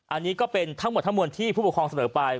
อันนี้ก็เป็นทั้งหมดทั้งมวลที่ผู้ปกครองเสนอไป